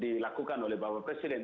dilakukan oleh bapak presiden